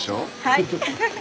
フフフ！